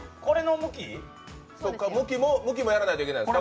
向きもやらないといけないです。